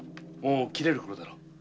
もう切れるころだろう。